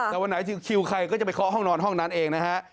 แต่วันไหนคิวใครก็จะไปเคาะห้องนอนห้องนั้นเองนะฮะ